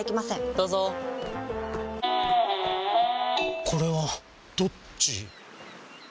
どうぞこれはどっち？